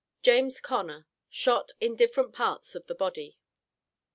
JAMES CONNER, SHOT IN DIFFERENT PARTS OF THE BODY.